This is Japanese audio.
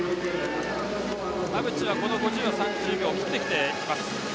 田渕はこの５０ｍは３０秒を切ってきています。